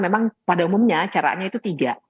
memang pada umumnya caranya itu tiga